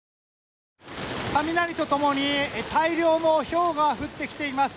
雷と共に大量のひょうが降ってきています。